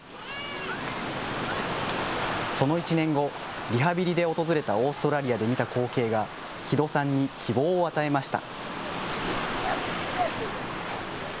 その１年後、リハビリで訪れたオーストラリアで見た光景が木戸さんに希望を与えました。